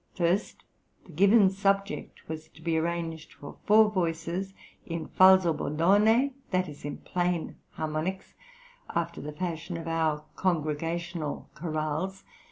First, the given subject was to be arranged for four voices in falsobordone, i.e., in plain harmonics, after the fashion of our congregational chorales.